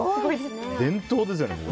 伝統ですね。